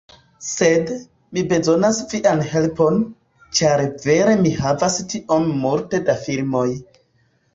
Sed, mi bezonas vian helpon, ĉar vere mi havas tiom multe da filmoj.